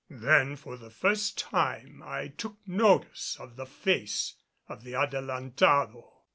Then for the first time I took notice of the face of the Adelantado.